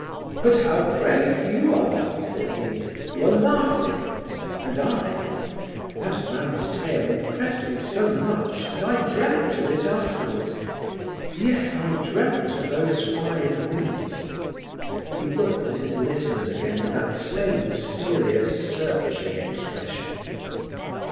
"But how brave you are!" said he. "You are laughing, and I—that man's tale impressed me so much, that I dreamt of it afterwards; yes, I dreamt of those five minutes..." He looked at his listeners again with that same serious, searching expression.